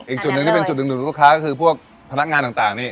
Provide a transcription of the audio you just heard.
อีกจุดหนึ่งที่เป็นจุดหนึ่งของลูกค้าก็คือพวกพนักงานต่างนี่